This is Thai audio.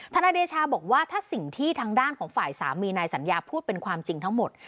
นายเดชาบอกว่าถ้าสิ่งที่ทางด้านของฝ่ายสามีนายสัญญาพูดเป็นความจริงทั้งหมด